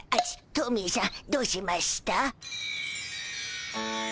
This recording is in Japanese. トミーしゃんどうしました？